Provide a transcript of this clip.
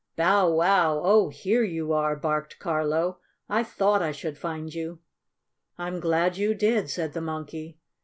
"Bow wow! Oh, here you are!" barked Carlo. "I thought I should find you." "I'm glad you did," said the Monkey.